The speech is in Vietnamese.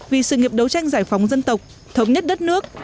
vì sự nghiệp đấu tranh giải phóng dân tộc thống nhất đất nước